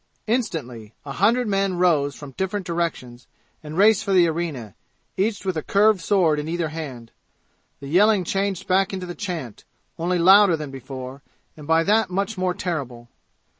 Instantly a hundred men rose from different directions and raced for the arena, each with a curved sword in either hand. The yelling changed back into the chant, only louder than before, and by that much more terrible.